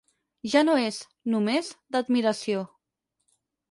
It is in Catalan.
Ja no és, només, d'admiració.